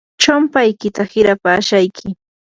chumpaykita hirapashayki.